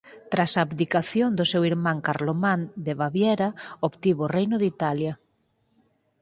Tras a abdicación do seu irmán Carlomán de Baviera obtivo o reino de Italia.